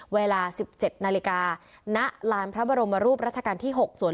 เวลาสิบเจ็ดนาฬิกาณหลานพระบรมรูปราชกาลที่หกสวน